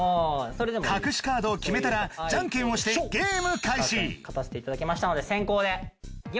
隠しカードを決めたらじゃんけんをしてゲーム開始勝たせていただきましたので先攻で。